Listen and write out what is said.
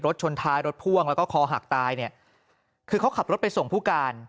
ชนท้ายรถพ่วงแล้วก็คอหักตายเนี่ยคือเขาขับรถไปส่งผู้การ